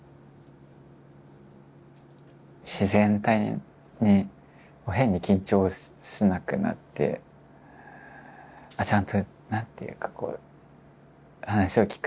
自然体に変に緊張しなくなってちゃんと何ていうかこう話を聞く時は逃げなくなりましたね。